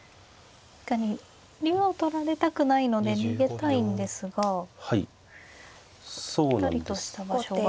竜を取られたくないので逃げたいんですがぴったりとした場所が。